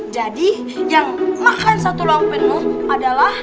jadi yang makan satu ruang penuh adalah